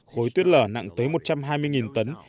khối tuyết lở nặng tới một trăm hai mươi tấn